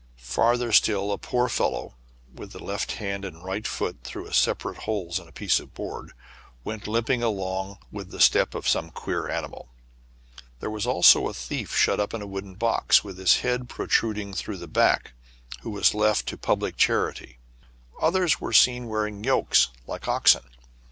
Farther still, a poor fel low, with the left hand and right foot through sep arate holes in a piece of board, went limping along with the step of some queer animal. There was also a thief shut up in a wooden box, with his head protruding through the back, who was left to pub lic charity. Others were seen wearing yokes, like oxen.